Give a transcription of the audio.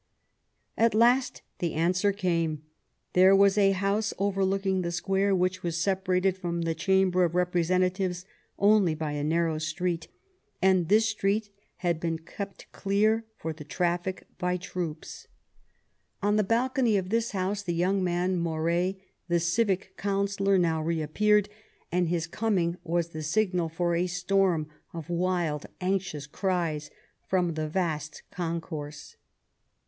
At last the answer came. There was a house, overlooking the square, which was separated from the Chamber of Representatives only by a narrow street, and this street had been kept clear for traffic by the troops. On the balcony of this house the young man, Moret, the Civic Councillor, now reappeared, and his coming was the signal for a storm of wild, anxious cries from the vast concourse.